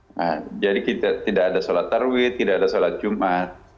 nah jadi kita tidak ada sholat tarwi tidak ada sholat jumat